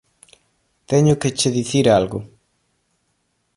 _Teño que che dicir algo...